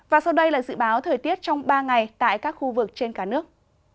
và sau đây là dự báo thời tiết trong ba ngày tại các khu vực trên cả nước